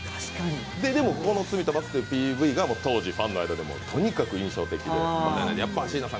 でも、この「罪と罰」というＰＶが当時ファンの間でもとにかく印象的でやっぱ椎名さん